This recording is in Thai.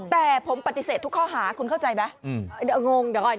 แต่ผมปฏิเสธทุกข้อหาคุณเข้าใจไหมงงอย่างน้อย